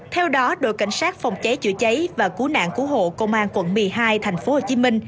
theo đó đội cảnh sát phòng cháy chữa cháy và cú nạn cú hộ công an quận một mươi hai tp hcm